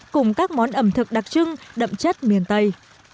cùng các món ẩm thực đặc trưng đậm chất miền tây